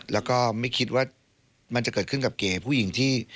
แล้วก็ไม่คิดว่ามันจะเกิดขึ้นกับเก๋ผู้หญิงที่